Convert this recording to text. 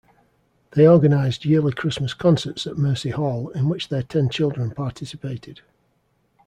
They organized yearly Christmas concerts at Mercy Hall in which their ten children participated.